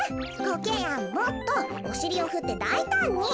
コケヤンもっとおしりをふってだいたんに。